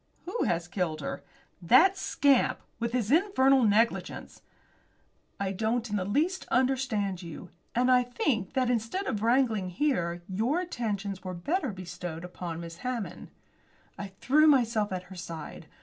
"Who has killed her?" "That scamp; with his infernal negligence." "I don't in the least understand you. And I think that instead of wrangling here your attentions were better bestowed upon Miss Hammond." I threw myself at her side.